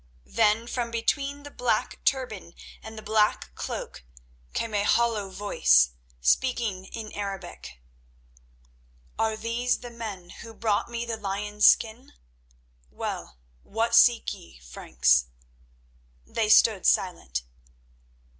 Then from between the black turban and the black cloak came a hollow voice, speaking in Arabic, and saying: "Are these the men who brought me the lion's skin? Well, what seek ye, Franks?" They stood silent.